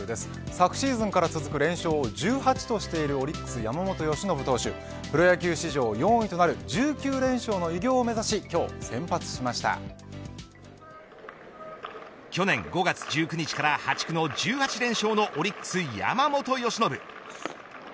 昨シーズンから続く連勝を１８としているオリックス、山本由伸投手プロ野球史上４位となる１９連勝の偉業を目指し去年５月１９日から破竹の１８連勝のオリックス山本由伸。